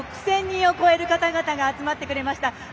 今日は国立に５万６０００人を超える方々が集まってくれました。